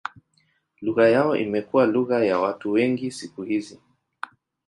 Lugha yao imekuwa lugha ya watu wengi siku hizi.